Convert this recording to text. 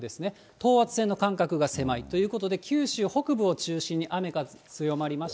等圧線の間隔が狭いということで、九州北部を中心に雨風強まりまし